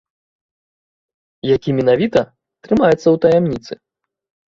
Які менавіта, трымаецца ў таямніцы.